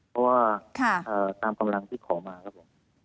เพราะว่าตามกำลังที่ขอมาครับผม